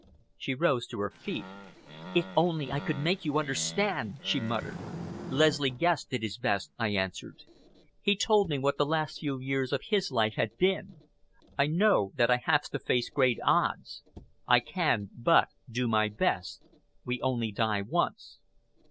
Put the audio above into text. She rose to her feet. "If only I could make you understand," she muttered. "Leslie Guest did his best," I answered. "He told me what the last few years of his life had been. I know that I have to face great odds. I can but do my best. We only die once."